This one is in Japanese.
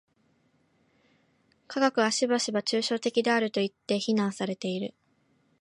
科学はしばしば抽象的であるといって非難されている。